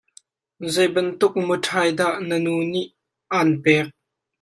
Zei bantuk muṭthai dah na nu nih aan pek?